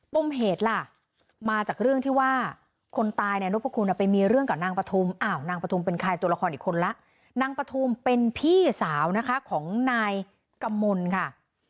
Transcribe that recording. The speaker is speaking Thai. เหตุล่ะมาจากเรื่องที่ว่าคนตายนายนพคุณไปมีเรื่องกับนางปฐุมอ้าวนางปฐุมเป็นใครตัวละครอีกคนละนางปฐุมเป็นพี่สาวนะคะของนายกมลค่ะ